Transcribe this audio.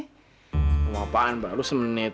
emang apaan pak lu semenit